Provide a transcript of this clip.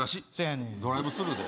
ドライブスルーで？